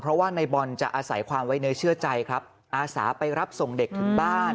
เพราะว่าในบอลจะอาศัยความไว้เนื้อเชื่อใจครับอาสาไปรับส่งเด็กถึงบ้าน